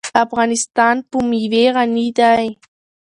افغانستان په مېوې غني دی.